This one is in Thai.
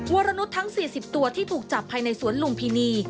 วรนุษย์ทั้ง๔๐ตัวที่ถูกจับภายในสวนลุมพินี